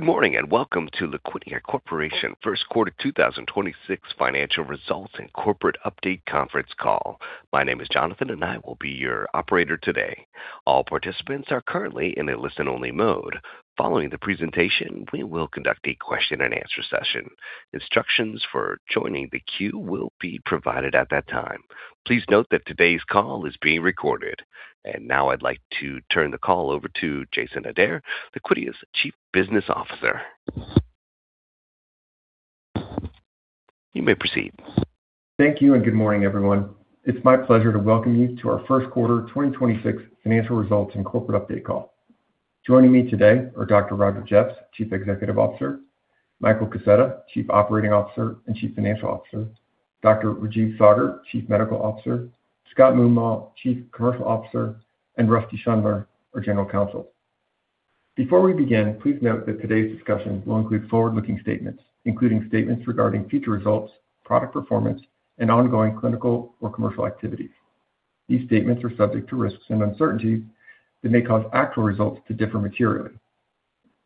Good morning, and welcome to the Liquidia Corporation First Quarter 2026 Financial Results and Corporate Update Conference Call. My name is Jonathan, and I will be your operator today. All participants are currently in a listen-only mode. Following the presentation, we will conduct a question-and-answer session. Instructions for joining the queue will be provided at that time. Please note that today's call is being recorded. Now I'd like to turn the call over to Jason Adair, Liquidia's Chief Business Officer. You may proceed. Thank you. Good morning, everyone. It's my pleasure to welcome you to our first quarter 2026 financial results and corporate update call. Joining me today are Dr. Roger Jeffs, Chief Executive Officer; Michael Kaseta, Chief Operating Officer and Chief Financial Officer; Dr. Rajeev Saggar, Chief Medical Officer; Scott Moomaw, Chief Commercial Officer; and Rusty Schundler, our General Counsel. Before we begin, please note that today's discussion will include forward-looking statements, including statements regarding future results, product performance, and ongoing clinical or commercial activities. These statements are subject to risks and uncertainties that may cause actual results to differ materially.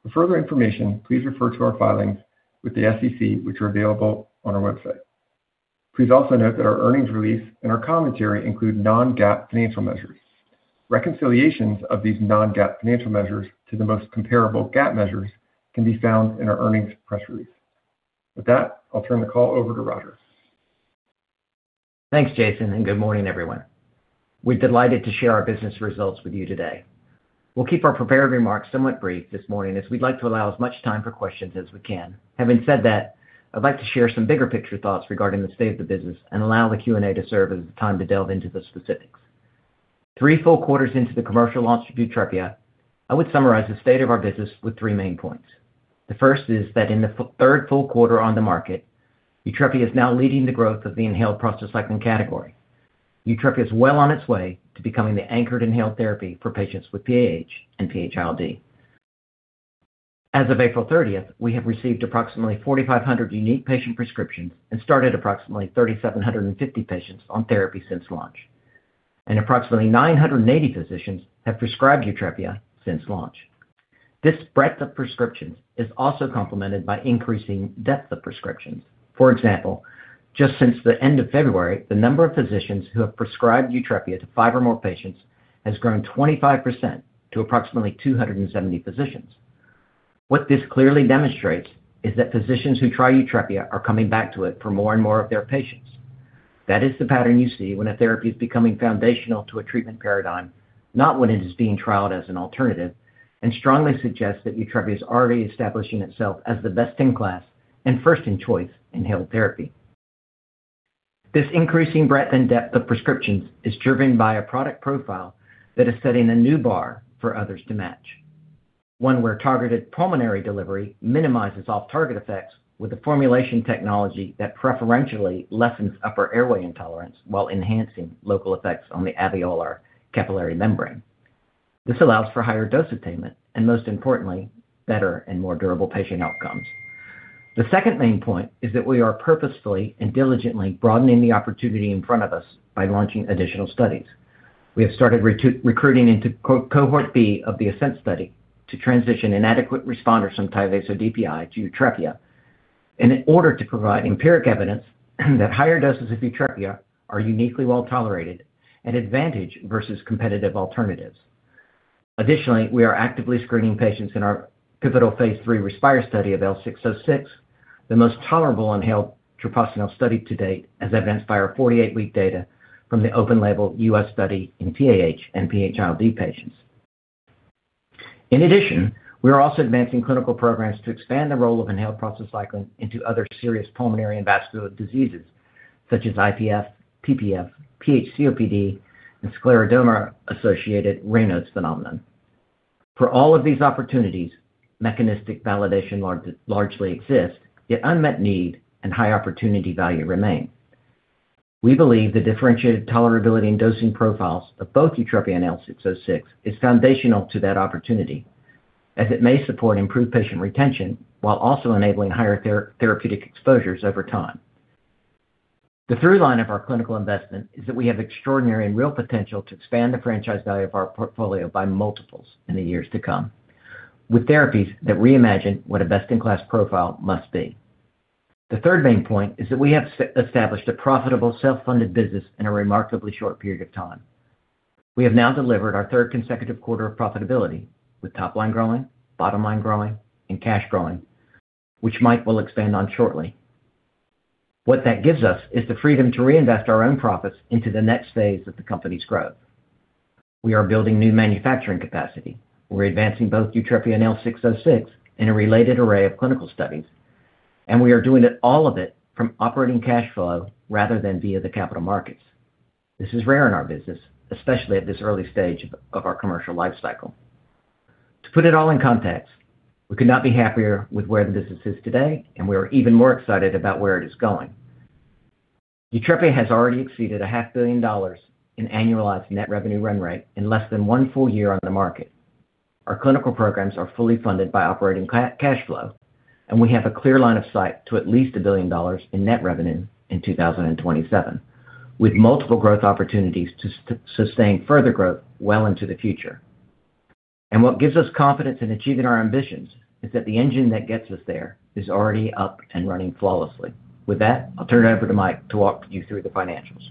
For further information, please refer to our filings with the SEC, which are available on our website. Please also note that our earnings release and our commentary include non-GAAP financial measures. Reconciliations of these non-GAAP financial measures to the most comparable GAAP measures can be found in our earnings press release. With that, I'll turn the call over to Roger. Thanks, Jason, and good morning, everyone. We're delighted to share our business results with you today. We'll keep our prepared remarks somewhat brief this morning, as we'd like to allow as much time for questions as we can. Having said that, I'd like to share some bigger picture thoughts regarding the state of the business and allow the Q&A to serve as the time to delve into the specifics. Three full quarters into the commercial launch of YUTREPIA, I would summarize the state of our business with three main points. The first is that in the third full quarter on the market, YUTREPIA is now leading the growth of the inhaled prostacyclin category. YUTREPIA is well on its way to becoming the anchored inhaled therapy for patients with PAH and PH-ILD. As of April 30th, we have received approximately 4,500 unique patient prescriptions and started approximately 3,750 patients on therapy since launch. Approximately 980 physicians have prescribed YUTREPIA since launch. This breadth of prescriptions is also complemented by increasing depth of prescriptions. For example, just since the end of February, the number of physicians who have prescribed YUTREPIA to five or more patients has grown 25% to approximately 270 physicians. What this clearly demonstrates is that physicians who try YUTREPIA are coming back to it for more and more of their patients. That is the pattern you see when a therapy is becoming foundational to a treatment paradigm, not when it is being trialed as an alternative, and strongly suggests that YUTREPIA is already establishing itself as the best-in-class and first-in-choice inhaled therapy. This increasing breadth and depth of prescriptions is driven by a product profile that is setting a new bar for others to match. One where targeted pulmonary delivery minimizes off-target effects with a formulation technology that preferentially lessens upper airway intolerance while enhancing local effects on the alveolar capillary membrane. This allows for higher dose attainment and, most importantly, better and more durable patient outcomes. The second main point is that we are purposefully and diligently broadening the opportunity in front of us by launching additional studies. We have started recruiting into cohort B of the ASCENT study to transition inadequate responders from Tyvaso DPI to YUTREPIA in order to provide empiric evidence that higher doses of YUTREPIA are uniquely well-tolerated and advantage versus competitive alternatives. Additionally, we are actively screening patients in our pivotal phase III INSPIRE study of L606, the most tolerable inhaled treprostinil study to date, as evidenced by our 48-week data from the open label U.S. study in PAH and PH-ILD patients. In addition, we are also advancing clinical programs to expand the role of inhaled prostacyclin into other serious pulmonary and vascular diseases such as IPF, PPF, PH-COPD, and scleroderma-associated Raynaud's phenomenon. For all of these opportunities, mechanistic validation largely exists, yet unmet need and high opportunity value remain. We believe the differentiated tolerability and dosing profiles of both YUTREPIA and L606 is foundational to that opportunity, as it may support improved patient retention while also enabling higher therapeutic exposures over time. The through line of our clinical investment is that we have extraordinary and real potential to expand the franchise value of our portfolio by multiples in the years to come, with therapies that reimagine what a best-in-class profile must be. The third main point is that we have established a profitable self-funded business in a remarkably short period of time. We have now delivered our third consecutive quarter of profitability, with top line growing, bottom line growing, and cash growing, which Mike will expand on shortly. What that gives us is the freedom to reinvest our own profits into the next phase of the company's growth. We are building new manufacturing capacity. We're advancing both YUTREPIA and L606 in a related array of clinical studies, and we are doing it all of it from operating cash flow rather than via the capital markets. This is rare in our business, especially at this early stage of our commercial life cycle. To put it all in context, we could not be happier with where the business is today, and we are even more excited about where it is going. YUTREPIA has already exceeded a half billion dollars in annualized net revenue run rate in less than one full year on the market. Our clinical programs are fully funded by operating cash flow. We have a clear line of sight to at least $1 billion in net revenue in 2027, with multiple growth opportunities to sustain further growth well into the future. What gives us confidence in achieving our ambitions is that the engine that gets us there is already up and running flawlessly. With that, I'll turn it over to Mike to walk you through the financials.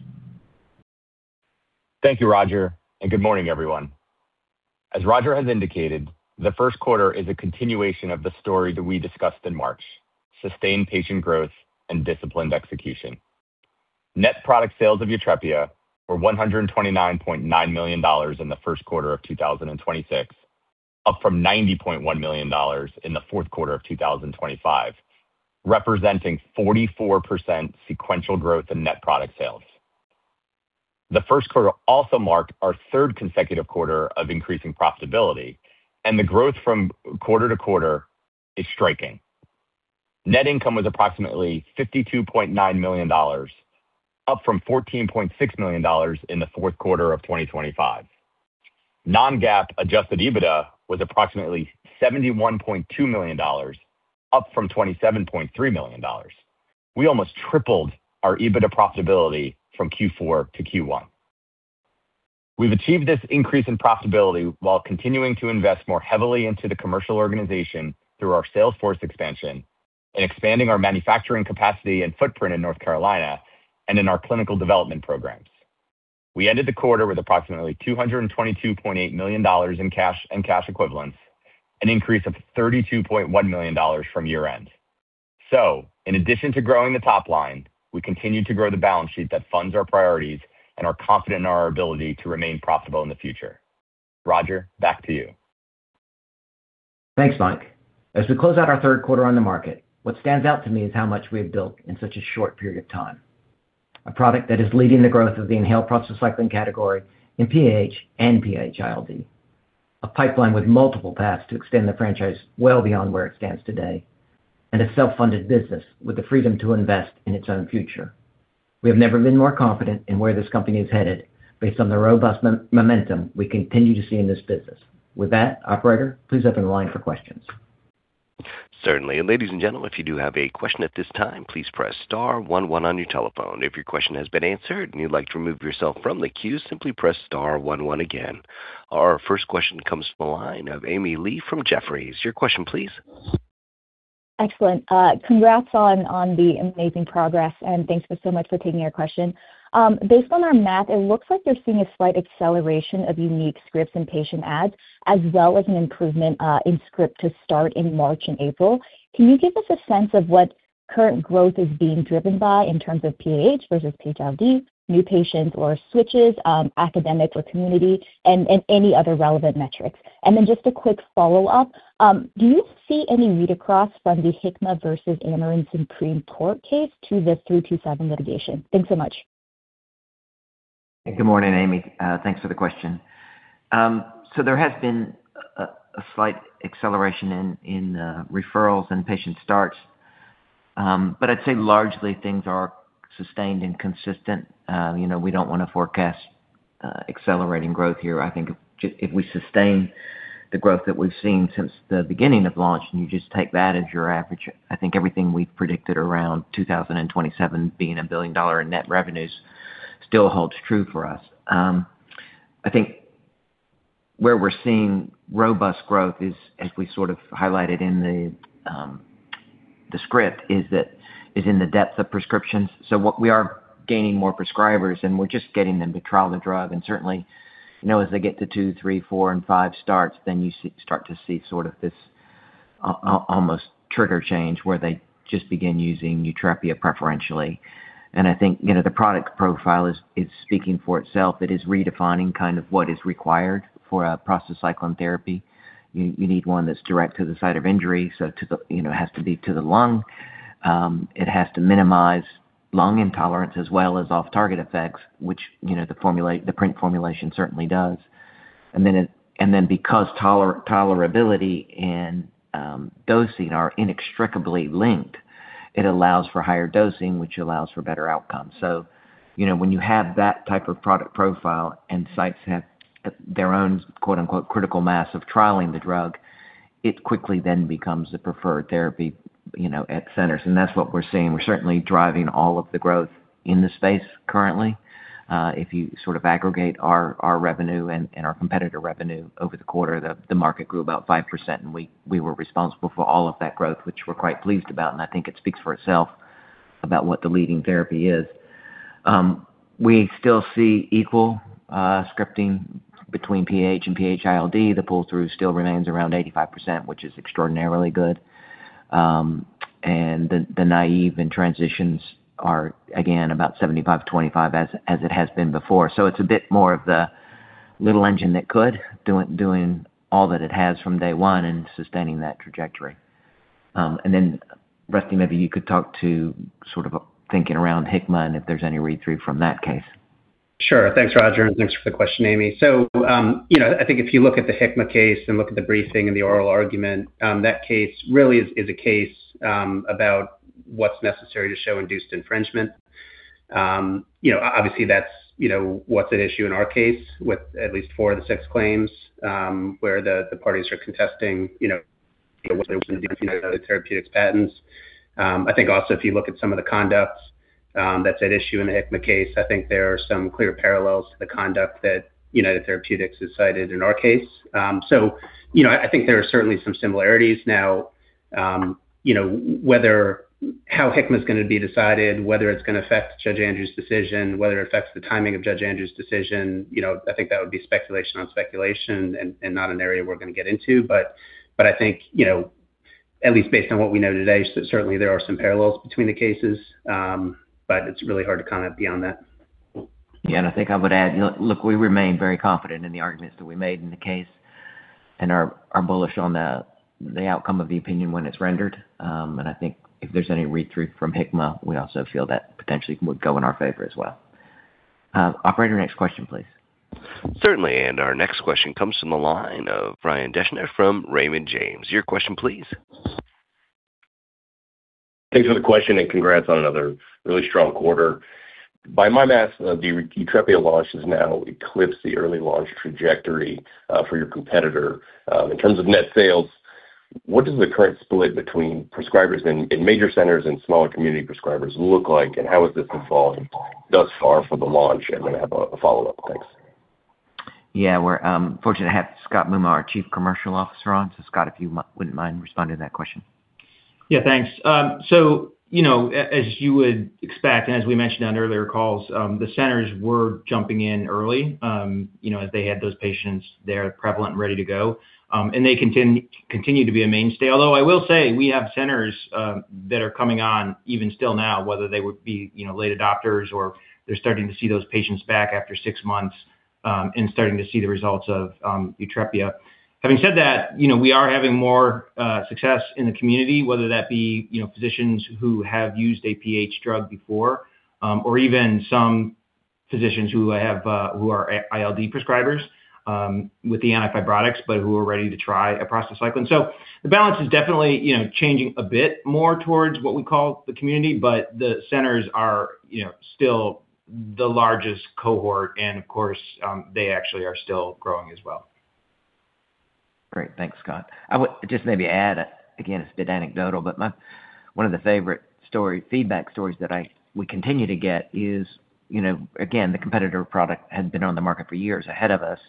Thank you, Roger, and good morning, everyone. As Roger has indicated, the first quarter is a continuation of the story that we discussed in March: sustained patient growth and disciplined execution. Net product sales of YUTREPIA were $129.9 million in the first quarter of 2026, up from $90.1 million in the fourth quarter of 2025, representing 44% sequential growth in net product sales. The first quarter also marked our third consecutive quarter of increasing profitability, the growth from quarter-to-quarter is striking. Net income was approximately $52.9 million, up from $14.6 million in the fourth quarter of 2025. Non-GAAP adjusted EBITDA was approximately $71.2 million, up from $27.3 million. We almost tripled our EBITDA profitability from Q4 to Q1. We've achieved this increase in profitability while continuing to invest more heavily into the commercial organization through our sales force expansion and expanding our manufacturing capacity and footprint in North Carolina and in our clinical development programs. We ended the quarter with approximately $222.8 million in cash and cash equivalents, an increase of $32.1 million from year-end. In addition to growing the top line, we continue to grow the balance sheet that funds our priorities and are confident in our ability to remain profitable in the future. Roger, back to you. Thanks, Mike. As we close out our third quarter on the market, what stands out to me is how much we have built in such a short period of time. A product that is leading the growth of the inhaled prostacyclin category in PAH and PH-ILD. A pipeline with multiple paths to extend the franchise well beyond where it stands today. A self-funded business with the freedom to invest in its own future. We have never been more confident in where this company is headed based on the robust momentum we continue to see in this business. With that, operator, please open the line for questions. Certainly. Ladies and gentlemen, if you do have a question at this time, please press star one one on your telephone. If your question has been answered and you'd like to remove yourself from the queue, simply press star one one again. Our first question comes from the line of Amy Lee from Jefferies. Your question please. Excellent. Congrats on the amazing progress, thanks so much for taking our question. Based on our math, it looks like you're seeing a slight acceleration of unique scripts and patient adds, as well as an improvement in script to start in March and April. Can you give us a sense of what current growth is being driven by in terms of PAH versus PH-ILD, new patients or switches, academic or community, any other relevant metrics? Then just a quick follow-up. Do you see any read-across from the Hikma versus Amarin Supreme Court case to the 327 litigation? Thanks so much. Good morning, Amy. Thanks for the question. There has been a slight acceleration in referrals and patient starts. I'd say largely things are sustained and consistent. You know, we don't wanna forecast accelerating growth here. I think if we sustain the growth that we've seen since the beginning of launch, and you just take that as your average, I think everything we've predicted around 2027 being a billion-dollar in net revenues still holds true for us. I think where we're seeing robust growth is, as we sort of highlighted in the script, is in the depth of prescriptions. What we are gaining more prescribers, and we're just getting them to trial the drug. You know, as they get to two, three, four, and five starts, then you start to see sort of this almost trigger change where they just begin using YUTREPIA preferentially. You know, the product profile is speaking for itself. It is redefining kind of what is required for a prostacyclin therapy. You need one that's direct to the site of injury, so to the, you know, it has to be to the lung. It has to minimize lung intolerance as well as off-target effects, which, you know, the PRINT formulation certainly does. Because tolerability and dosing are inextricably linked, it allows for higher dosing, which allows for better outcomes. You know, when you have that type of product profile and sites have their own quote-unquote "critical mass" of trialing the drug, it quickly then becomes the preferred therapy, you know, at centers. That's what we're seeing. We're certainly driving all of the growth in the space currently. If you sort of aggregate our revenue and our competitor revenue over the quarter, the market grew about 5% and we were responsible for all of that growth, which we're quite pleased about, and I think it speaks for itself about what the leading therapy is. We still see equal scripting between PAH and PH-ILD. The pull-through still remains around 85%, which is extraordinarily good. And the naive and transitions are again about 75%-25% as it has been before. It's a bit more of the little engine that could doing all that it has from day one and sustaining that trajectory. Rusty, maybe you could talk to sort of thinking around Hikma and if there's any read-through from that case. Sure. Thanks, Roger, and thanks for the question, Amy. You know, I think if you look at the Hikma case and look at the briefing and the oral argument, that case really is a case. What's necessary to show induced infringement. You know, obviously that's, you know, what's at issue in our case with at least four of the six claims, where the parties are contesting, you know, whether it was induced under United Therapeutics patents. I think also if you look at some of the conduct that's at issue in the Hikma case, I think there are some clear parallels to the conduct that United Therapeutics has cited in our case. You know, how Hikma's gonna be decided, whether it's gonna affect Judge Andrews' decision, whether it affects the timing of Judge Andrews' decision, you know, I think that would be speculation on speculation and not an area we're gonna get into. I think, you know, at least based on what we know today, so certainly there are some parallels between the cases, but it's really hard to comment beyond that. Yeah. I think I would add, you know, look, we remain very confident in the arguments that we made in the case and are bullish on the outcome of the opinion when it's rendered. I think if there's any read-through from Hikma, we also feel that potentially would go in our favor as well. Operator, next question, please. Certainly. Our next question comes from the line of Ryan Deschner from Raymond James. Your question please. Thanks for the question and congrats on another really strong quarter. By my math, the YUTREPIA launch has now eclipsed the early launch trajectory for your competitor. In terms of net sales, what does the current split between prescribers in major centers and smaller community prescribers look like, and how has this evolved thus far for the launch? I have a follow-up. Thanks. Yeah. We're fortunate to have Scott Moomaw, our chief commercial officer on. Scott, if you wouldn't mind responding to that question. Thanks. you know, as you would expect, and as we mentioned on earlier calls, the centers were jumping in early, you know, as they had those patients there prevalent and ready to go. They continue to be a mainstay. Although I will say we have centers that are coming on even still now, whether they would be, you know, late adopters or they're starting to see those patients back after six months, and starting to see the results of YUTREPIA. Having said that, you know, we are having more success in the community, whether that be, you know, physicians who have used a PH drug before, or even some physicians who have, who are ILD prescribers, with the antifibrotics, but who are ready to try a prostacyclin. The balance is definitely, you know, changing a bit more towards what we call the community, but the centers are, you know, still the largest cohort and of course, they actually are still growing as well. Great. Thanks, Scott. I would just maybe add, again, it's a bit anecdotal, but one of the favorite feedback stories that we continue to get is, you know, again, the competitor product has been on the market for years ahead of us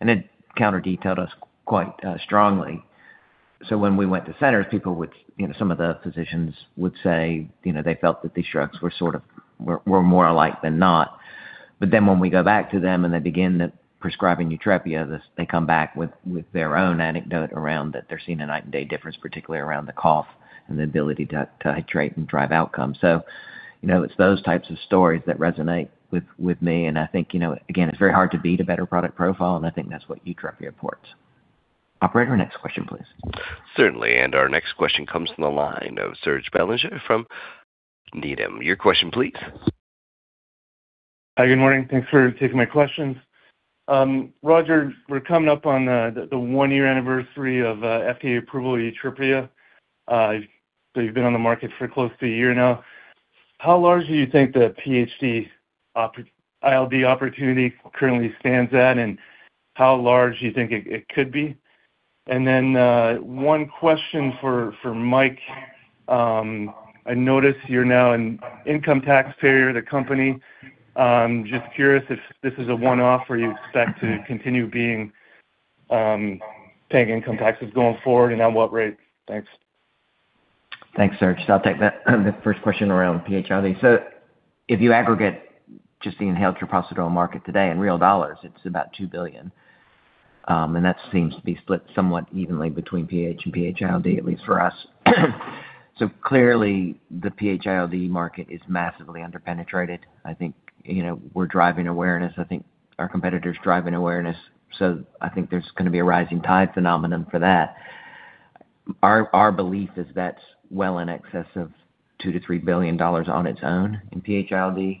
and had counter detailed us quite strongly. When we went to centers, people would, you know, some of the physicians would say, you know, they felt that these drugs were sort of were more alike than not. When we go back to them and they begin the prescribing YUTREPIA, they come back with their own anecdote around that they're seeing a night and day difference, particularly around the cough and the ability to titrate and drive outcomes. You know, it's those types of stories that resonate with me and I think, you know, again, it's very hard to beat a better product profile, and I think that's what YUTREPIA affords. Operator, next question, please. Certainly. Our next question comes from the line of Serge Belanger from Needham. Your question please. Hi, good morning. Thanks for taking my questions. Roger, we're coming up on the one-year anniversary of FDA approval of YUTREPIA. You've been on the market for close to one year now. How large do you think the PH-ILD opportunity currently stands at, and how large do you think it could be? One question for Mike. I notice you're now an income taxpayer, the company. Just curious if this is a one-off or you expect to continue being paying income taxes going forward, and at what rate? Thanks. Thanks, Serge. I'll take that, the first question around PH-ILD. If you aggregate just the inhaled treprostinil market today in real dollars, it's about $2 billion. That seems to be split somewhat evenly between PH and PH-ILD, at least for us. Clearly the PH-ILD market is massively under-penetrated. I think, you know, we're driving awareness. I think our competitor's driving awareness. I think there's gonna be a rising tide phenomenon for that. Our belief is that's well in excess of $2 billion-$3 billion on its own in PH-ILD.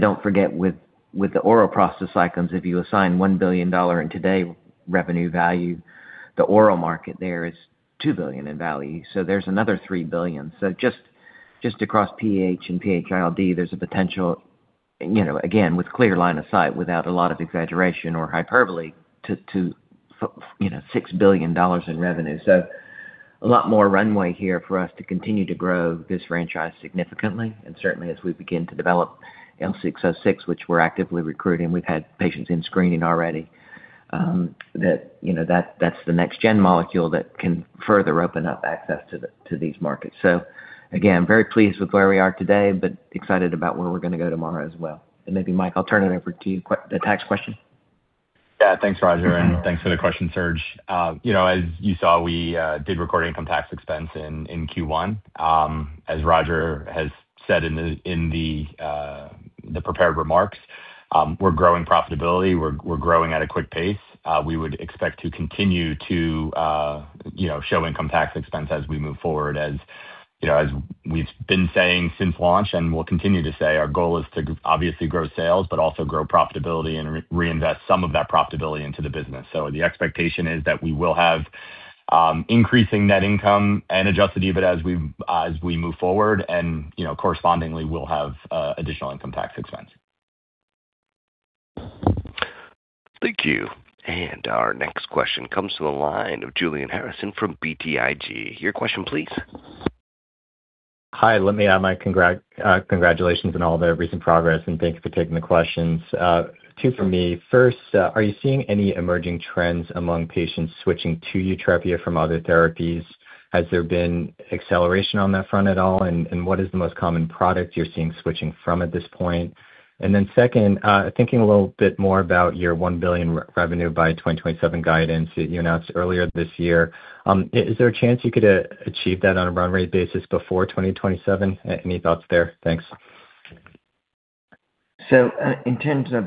Don't forget, with the oral prostacyclins, if you assign $1 billion in today revenue value, the oral market there is $2 billion in value. There's another $3 billion. Just across PH and PH-ILD, there's a potential, you know, again, with clear line of sight without a lot of exaggeration or hyperbole to, you know, $6 billion in revenue. A lot more runway here for us to continue to grow this franchise significantly. Certainly as we begin to develop L606, which we're actively recruiting, we've had patients in screening already, that, you know, that's the next gen molecule that can further open up access to these markets. Again, very pleased with where we are today, but excited about where we're gonna go tomorrow as well. Maybe Mike, I'll turn it over to you. The tax question. Thanks, Roger, and thanks for the question, Serge. You know, as you saw, we did record income tax expense in Q1. As Roger has said in the prepared remarks, we're growing profitability. We're growing at a quick pace. We would expect to continue to, you know, show income tax expense as we move forward. As, you know, we've been saying since launch and we'll continue to say, our goal is to obviously grow sales, but also grow profitability and reinvest some of that profitability into the business. The expectation is that we will have increasing net income and adjusted EBIT as we move forward and, you know, correspondingly, we'll have additional income tax expense. Thank you. Our next question comes to the line of Julian Harrison from BTIG. Your question please. Hi, let me add my congratulations on all the recent progress. Thanks for taking the questions. Two for me. First, are you seeing any emerging trends among patients switching to YUTREPIA from other therapies? Has there been acceleration on that front at all? What is the most common product you're seeing switching from at this point? Second, thinking a little bit more about your $1 billion revenue by 2027 guidance that you announced earlier this year, is there a chance you could achieve that on a run rate basis before 2027? Any thoughts there? Thanks. In terms of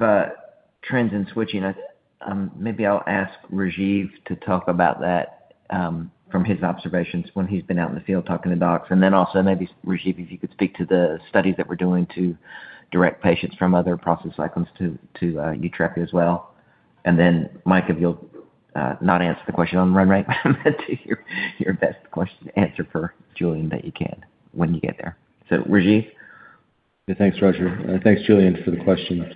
trends in switching, maybe I'll ask Rajeev to talk about that from his observations when he's been out in the field talking to docs. Also maybe, Rajeev, if you could speak to the studies that we're doing to direct patients from other prostacyclins to YUTREPIA as well. Mike, if you'll not answer the question on run rate, but do your best question answer for Julian that you can when you get there. Rajeev? Yeah, thanks, Roger. Thanks, Julian, for the question.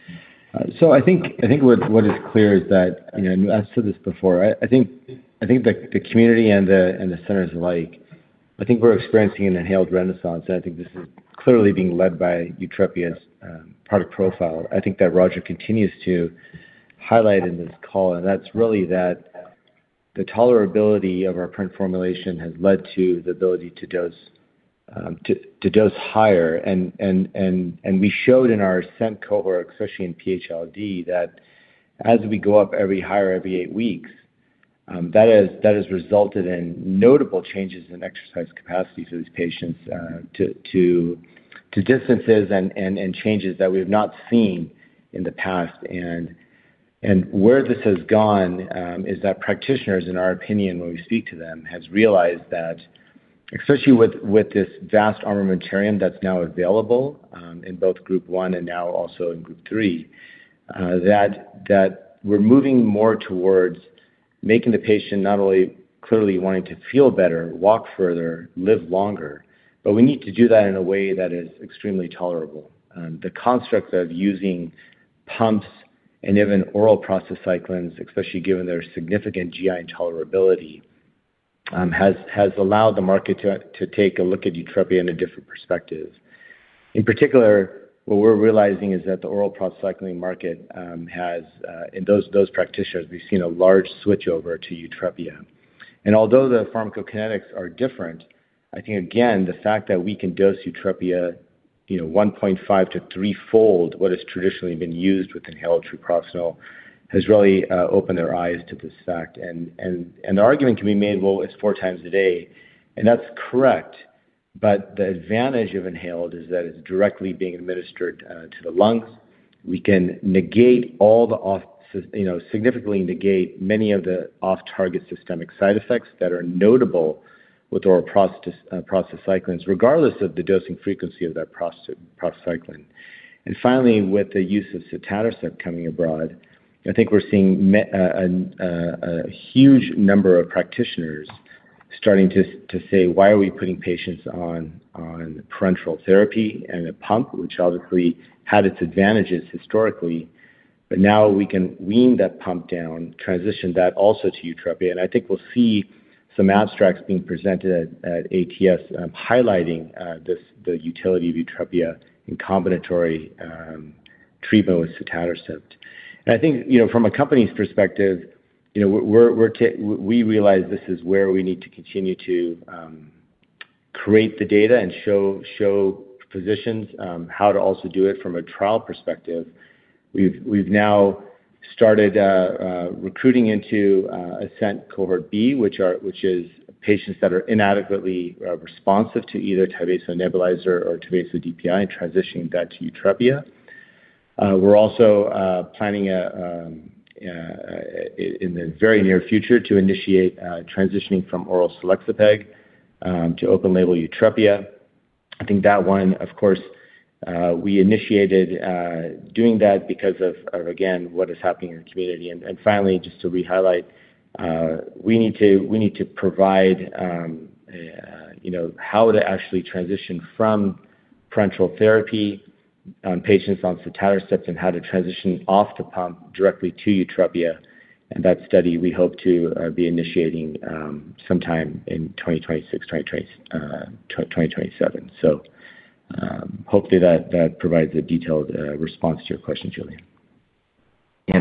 I think what is clear is that, you know, I've said this before, I think the community and the centers alike, I think we're experiencing an inhaled renaissance, and I think this is clearly being led by YUTREPIA's product profile. I think that Roger continues to highlight in this call, that's really that the tolerability of our PRINT formulation has led to the ability to dose to dose higher. We showed in our ASCENT cohort, especially in PH-ILD, that as we go up every higher every eight weeks, that has resulted in notable changes in exercise capacity for these patients to distances and changes that we've not seen in the past. Where this has gone, is that practitioners, in our opinion, when we speak to them, has realized that especially with this vast armamentarium that's now available, in both group one and now also in group three, we're moving more towards making the patient not only clearly wanting to feel better, walk further, live longer, but we need to do that in a way that is extremely tolerable. The construct of using pumps and even oral prostacyclins, especially given their significant GI intolerability, has allowed the market to take a look at YUTREPIA in a different perspective. In particular, what we're realizing is that the oral prostacyclin market has in those practitioners, we've seen a large switchover to YUTREPIA. Although the pharmacokinetics are different, I think again, the fact that we can dose YUTREPIA, you know, 1.5 to three-fold what has traditionally been used with inhaled treprostinil, has really opened their eyes to this fact. The argument can be made, well, it's four times a day, and that's correct, but the advantage of inhaled is that it's directly being administered to the lungs. We can significantly negate many of the off-target systemic side effects that are notable with oral prostacyclins, regardless of the dosing frequency of that prostacyclin. Finally, with the use of sotatercept coming abroad, I think we're seeing a huge number of practitioners starting to say, "Why are we putting patients on parenteral therapy and a pump?" Which obviously had its advantages historically, but now we can wean that pump down, transition that also to YUTREPIA. I think we'll see some abstracts being presented at ATS highlighting the utility of YUTREPIA in combinatory treprostinil with sotatercept. I think, you know, from a company's perspective, you know, We realize this is where we need to continue to create the data and show physicians how to also do it from a trial perspective. We've now started recruiting into ASCENT cohort B, which is patients that are inadequately responsive to either Tyvaso nebulizer or Tyvaso DPI and transitioning that to YUTREPIA. We're also planning in the very near future to initiate transitioning from oral selexipag to open-label YUTREPIA. I think that one, of course, we initiated doing that because of again, what is happening in the community. Finally, just to re-highlight, we need to provide, you know, how to actually transition from parenteral therapy on patients on sotatercept and how to transition off the pump directly to YUTREPIA. That study, we hope to be initiating sometime in 2026, 2027. Hopefully that provides a detailed response to your question, Julian.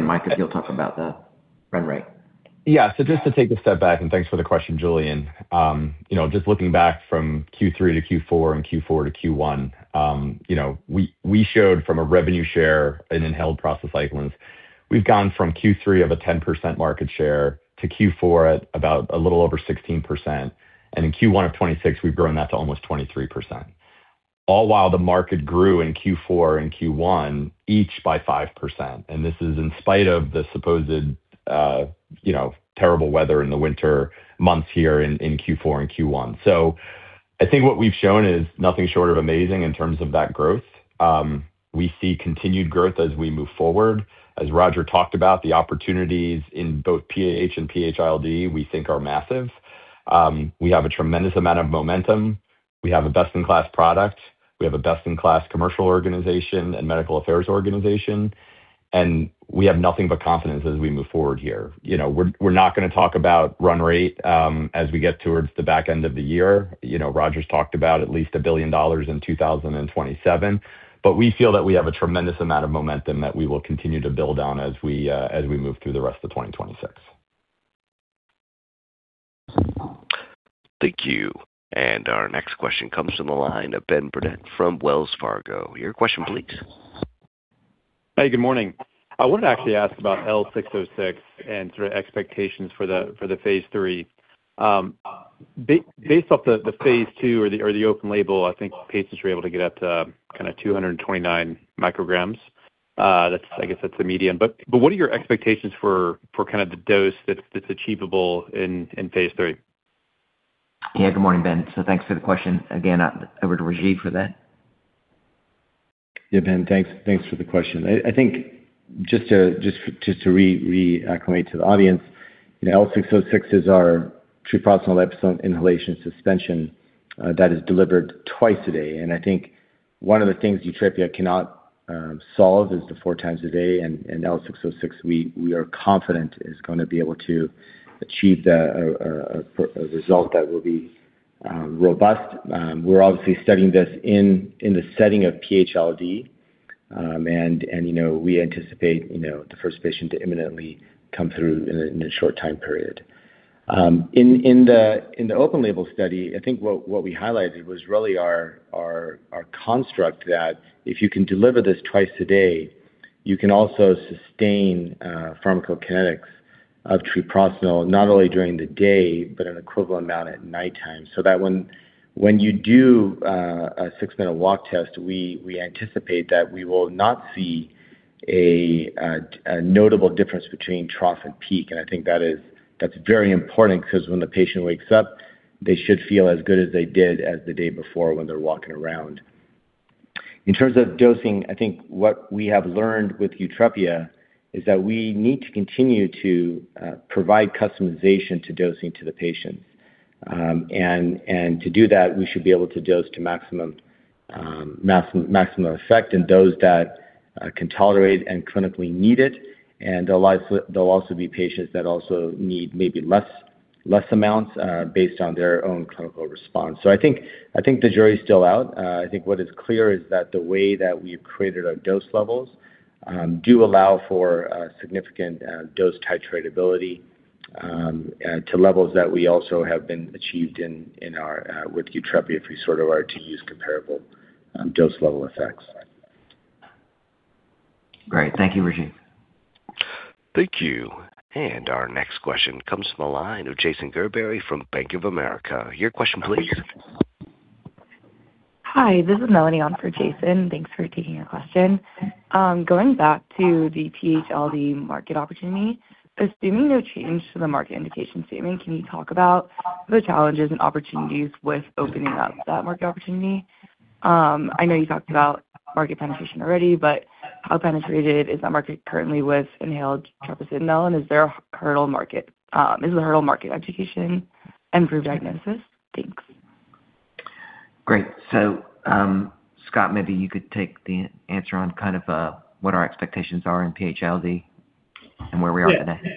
Mike, if you'll talk about the run rate. Yeah. So just to take a step back, and thanks for the question, Julian. You know, just looking back from Q3 to Q4 and Q4 to Q1, you know, we showed from a revenue share in inhaled prostacyclins, we've gone from Q3 of a 10% market share to Q4 at about a little over 16%. In Q1 of 2026, we've grown that to almost 23%. All while the market grew in Q4 and Q1 each by 5%. This is in spite of the supposed, you know, terrible weather in the winter months here in Q4 and Q1. I think what we've shown is nothing short of amazing in terms of that growth. We see continued growth as we move forward. As Roger talked about, the opportunities in both PAH and PH-ILD we think are massive. We have a tremendous amount of momentum. We have a best-in-class product, we have a best-in-class commercial organization and medical affairs organization, and we have nothing but confidence as we move forward here. You know, we're not gonna talk about run rate as we get towards the back end of the year. You know, Roger's talked about at least $1 billion in 2027. We feel that we have a tremendous amount of momentum that we will continue to build on as we move through the rest of 2026. Thank you. Our next question comes from the line of Ben Burdette from Wells Fargo. Your question please. Hey, good morning. I wanted to actually ask about L606 and sort of expectations for the, for the phase III. Based off the phase II or the, or the open label, I think patients were able to get up to kind of 229 micrograms. That's I guess that's the median. But what are your expectations for kind of the dose that's achievable in phase III? Yeah. Good morning, Ben. Thanks for the question. Again, over to Rajeev for that. Yeah, Ben, thanks for the question. I think just to re-acclimate to the audience, you know, L606 is our treprostinil liposome inhalation suspension that is delivered twice a day. I think one of the things YUTREPIA cannot solve is the four times a day, L606, we are confident is gonna be able to achieve a result that will be robust. We're obviously studying this in the setting of PH-ILD. You know, we anticipate, you know, the first patient to imminently come through in a short time period. In the open label study, I think what we highlighted was really our construct that if you can deliver this twice a day, you can also sustain pharmacokinetics of treprostinil, not only during the day, but an equivalent amount at nighttime. So that when you do a six-minute walk test, we anticipate that we will not see a notable difference between trough and peak. I think that's very important because when the patient wakes up, they should feel as good as they did as the day before when they're walking around. In terms of dosing, I think what we have learned with YUTREPIA is that we need to continue to provide customization to dosing to the patients. To do that, we should be able to dose to maximum effect in those that can tolerate and clinically need it. There'll also be patients that also need maybe less amounts based on their own clinical response. I think the jury is still out. I think what is clear is that the way that we've created our dose levels do allow for significant dose titratability to levels that we also have been achieved in our with YUTREPIA if we sort of are to use comparable dose level effects. Great. Thank you, Rajeev. Thank you. Our next question comes from the line of Jason Gerberry from Bank of America. Your question please. Hi, this is Melanie on for Jason. Thanks for taking our question. Going back to the PH-ILD market opportunity, assuming no change to the market indication statement, can you talk about the challenges and opportunities with opening up that market opportunity? I know you talked about market penetration already, but how penetrated is that market currently with inhaled treprostinil, and is the hurdle market education and improved diagnosis? Thanks. Great. Scott, maybe you could take the answer on kind of what our expectations are in PH-ILD and where we are today. Yeah.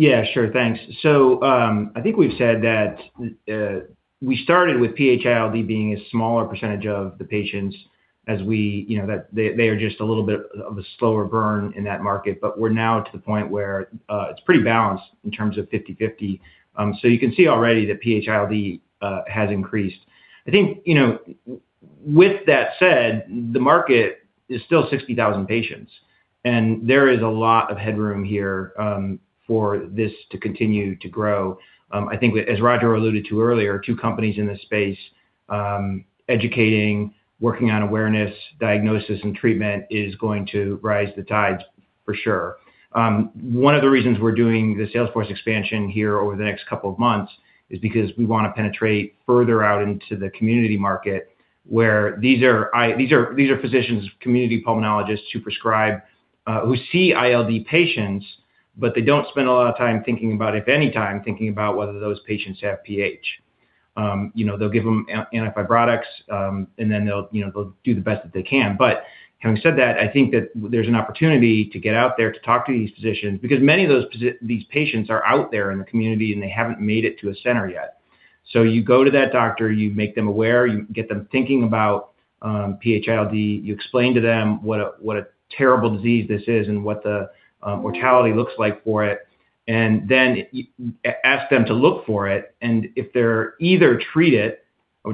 Yeah, sure. Thanks. I think we've said that we started with PH-ILD being a smaller percentage of the patients as you know, they are just a little bit of a slower burn in that market, but we're now to the point where it's pretty balanced in terms of 50/50. You can see already that PH-ILD has increased. I think, you know, with that said, the market is still 60,000 patients, and there is a lot of headroom here for this to continue to grow. I think, as Roger alluded to earlier, two companies in this space, educating, working on awareness, diagnosis, and treatment is going to rise the tides for sure. One of the reasons we're doing the sales force expansion here over the next couple of months is because we wanna penetrate further out into the community market, where these are physicians, community pulmonologists who prescribe, who see ILD patients, but they don't spend a lot of time thinking about it, if any time, thinking about whether those patients have PH. You know, they'll give them antifibrotics, and then they'll, you know, they'll do the best that they can. Having said that, I think that there's an opportunity to get out there to talk to these physicians because many of those these patients are out there in the community, and they haven't made it to a center yet. You go to that doctor, you make them aware, you get them thinking about PH-ILD, you explain to them what a terrible disease this is and what the mortality looks like for it, then ask them to look for it. If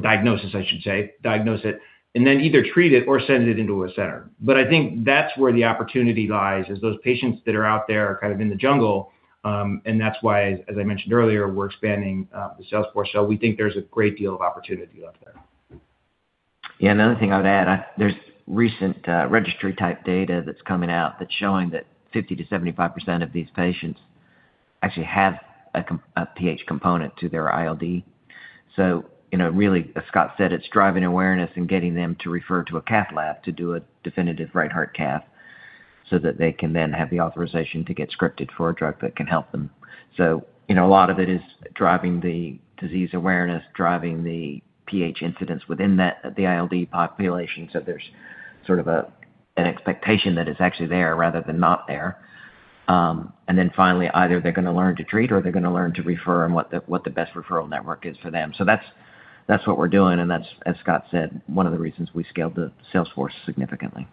they diagnose it, then either treat it or send it into a center. I think that's where the opportunity lies, is those patients that are out there are kind of in the jungle. That's why, as I mentioned earlier, we're expanding the sales force. We think there's a great deal of opportunity out there. Another thing I would add. There's recent registry type data that's coming out that's showing that 50%-75% of these patients actually have a PH component to their ILD. You know, really, as Scott said, it's driving awareness and getting them to refer to a cath lab to do a definitive right heart cath so that they can then have the authorization to get scripted for a drug that can help them. You know, a lot of it is driving the disease awareness, driving the PH incidents within that, the ILD population. There's sort of an expectation that it's actually there rather than not there. Finally, either they're gonna learn to treat or they're gonna learn to refer and what the best referral network is for them. That's what we're doing, and that's, as Scott said, one of the reasons we scaled the sales force significantly.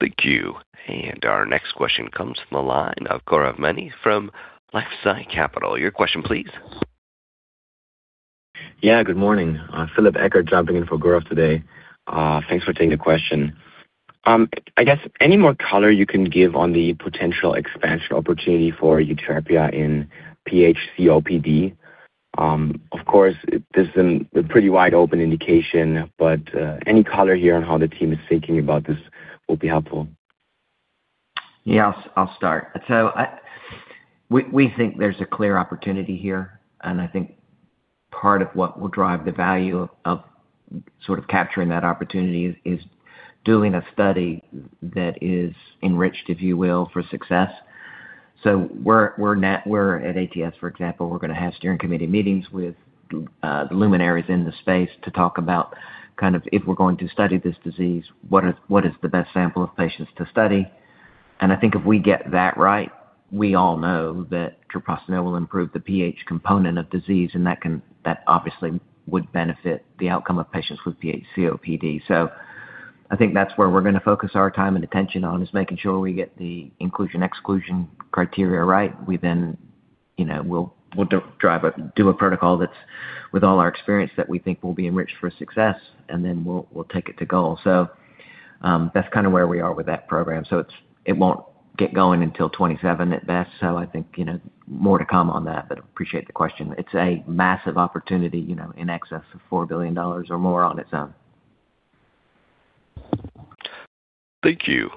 Thank you. Our next question comes from the line of Gaurav Maini from LifeSci Capital. Your question please. Yeah, good morning. Phillip Eckert jumping in for Gaurav today. Thanks for taking the question. I guess any more color you can give on the potential expansion opportunity for YUTREPIA in PH-COPD? Of course, this is a pretty wide open indication, but any color here on how the team is thinking about this will be helpful. Yeah. I'll start. We think there's a clear opportunity here, and I think part of what will drive the value of sort of capturing that opportunity is doing a study that is enriched, if you will, for success. We're at ATS, for example, we're gonna have steering committee meetings with the luminaries in the space to talk about kind of, if we're going to study this disease, what is the best sample of patients to study. I think if we get that right, we all know that treprostinil will improve the PH component of disease, and that obviously would benefit the outcome of patients with PH-COPD. I think that's where we're gonna focus our time and attention on, is making sure we get the inclusion, exclusion criteria right. We then, you know, we'll do a protocol that's with all our experience that we think will be enriched for success, and then we'll take it to goal. That's kind of where we are with that program. It's, it won't get going until 2027 at best. I think, you know, more to come on that, but appreciate the question. It's a massive opportunity, you know, in excess of $4 billion or more on its own. Thank you.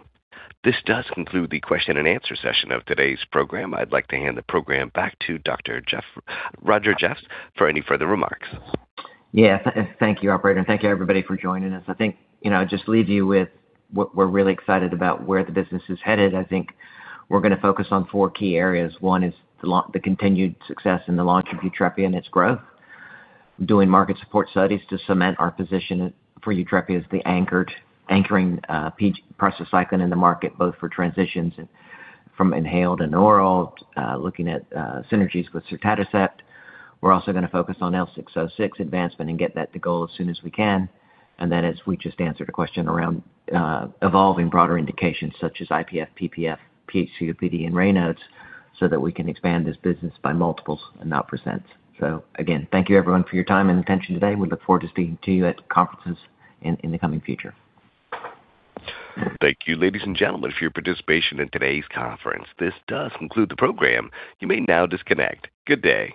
This does conclude the question and answer session of today's program. I'd like to hand the program back to Roger Jeffs for any further remarks. Yeah. Thank you, operator, and thank you everybody for joining us. I think, you know, I'll just leave you with what we're really excited about, where the business is headed. I think we're gonna focus on four key areas. One is the continued success in the launch of YUTREPIA and its growth. Doing market support studies to cement our position for YUTREPIA as the anchored, anchoring, prostacyclin in the market, both for transitions and from inhaled and oral. Looking at synergies with sotatercept. We're also gonna focus on L606 advancement and get that to goal as soon as we can. As we just answered a question around evolving broader indications such as IPF, PPF, PH-COPD and Raynaud's, so that we can expand this business by multiples and not percentage. Again, thank you everyone for your time and attention today. We look forward to speaking to you at conferences in the coming future. Thank you, ladies and gentlemen, for your participation in today's conference. This does conclude the program. You may now disconnect. Good day.